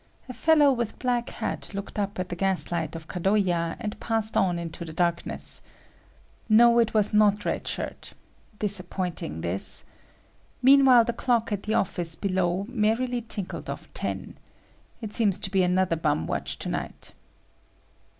A fellow with a black hat looked up at the gas light of Kadoya and passed on into the darkness. No, it was not Red Shirt. Disappointing, this! Meanwhile the clock at the office below merrily tinkled off ten. It seems to be another bum watch to night.